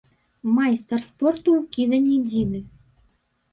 Майстар спорту ў кіданні дзіды.